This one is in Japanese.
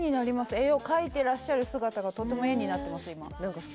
絵を描いてらっしゃる姿がとても画になってます